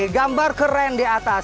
gambar keren di atas